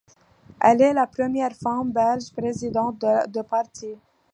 Elle est la première femme belge présidente de parti.